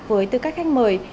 với tư cách khách mời